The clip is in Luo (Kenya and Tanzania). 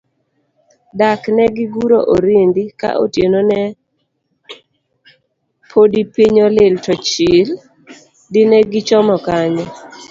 Dak ne giguro orindi, ka otieno ne podipiny olil to chil, dine gichomo kanye?